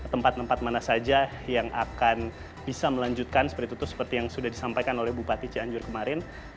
tempat tempat mana saja yang akan bisa melanjutkan seperti itu seperti yang sudah disampaikan oleh bupati cianjur kemarin